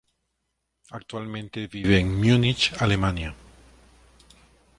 Actualmente vive en Múnich, Alemania.